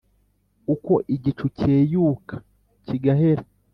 uko igicu cyeyuka kigahera,